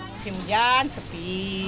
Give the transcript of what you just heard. pesimu jalan sepi